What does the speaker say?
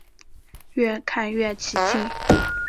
越看越起劲